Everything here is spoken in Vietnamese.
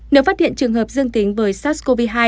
nếu phát hiện trường hợp dương tính với sars cov hai